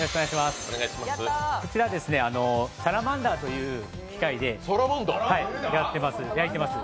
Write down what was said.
こちら、サラマンダーという機械で焼いてます。